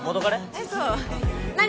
えっそう何飲む？